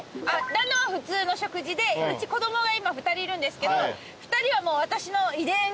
旦那は普通の食事でうち子供が今２人いるんですけど２人はもう私の遺伝してて。